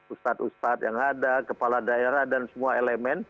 ustad ustad yang ada kepala daerah dan semua elemen